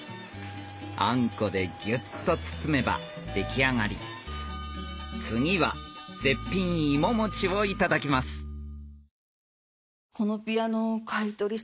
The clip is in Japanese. あんこでギュッと包めば出来上がり次は絶品芋もちをいただきますうわ！